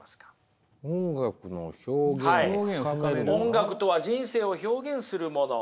音楽とは人生を表現するもの。